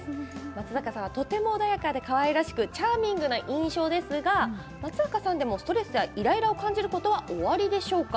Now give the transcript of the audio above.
松坂さんはとても穏やかでかわいらしくチャーミングな印象ですが松坂さんでもストレスやイライラを感じることはおありでしょうか。